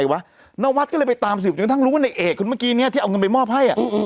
เอี๊กที่เมื่อกี้นี้ที่เอาเงินไปมอบให้